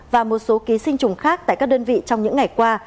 và một số ký sinh trùng khác tại các đơn vị trong những ngày qua